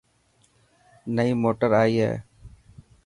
نئي موٽر آي هي.